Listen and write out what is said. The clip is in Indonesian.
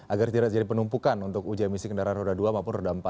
agar tidak jadi penumpukan untuk uji emisi kendaraan roda dua maupun roda empat